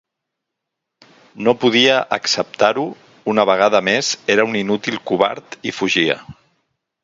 No podia acceptar-ho, una vegada més era un inútil covard i fugia.